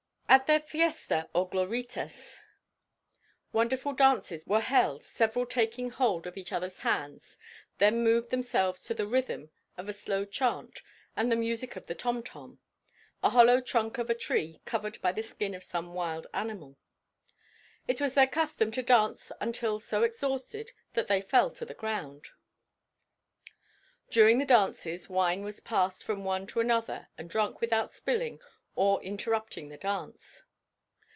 At their fiesta or Gloritas wonderful dances were held several taking hold of each other's hands then moved themselves to the rhythm of a slow chant and the music of the tom tom, a hollow trunk of a tree covered by the skin of some wild animal. It was their custom to dance until so exhausted that they fell to the ground. During the dances wine was passed from one to another and drunk without spilling or interrupting the dance.